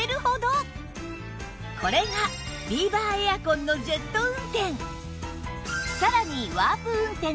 これがビーバーエアコンのジェット運転